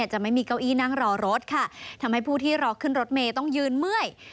จะไม่มีเก้าอี้นั่งรอรถค่ะทำให้ผู้ที่รอขึ้นรถเมย์ต้องยืนเมื่อย